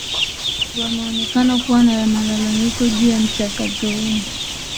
wameonekana kuwa na malalamiko juu ya mchakato huo